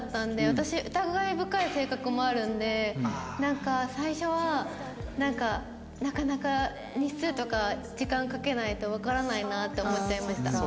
私疑い深い性格もあるのでなんか最初はなかなか日数とか時間かけないとわからないなって思っちゃいました。